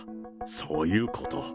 そういうこと。